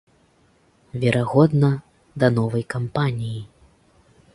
Верагодна, да новай кампаніі.